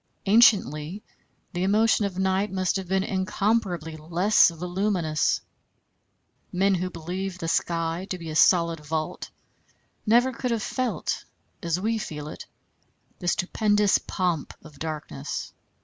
Anciently the emotion of night must have been incomparably less voluminous. Men who believed the sky to be a solid vault, never could have felt, as we feel it, the stupendous pomp of darkness.